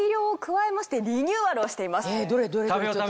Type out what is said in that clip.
えどれどれ？